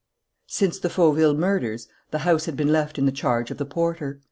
Since the Fauville murders the house had been left in the charge of the porter.